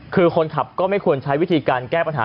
คือคนขับก็ไม่ควรใช้วิธีการแก้ปัญหา